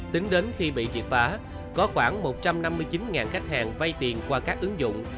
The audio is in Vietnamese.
tính đến khi bị triệt phá có khoảng một trăm năm mươi chín khách hàng vay tiền qua các ứng dụng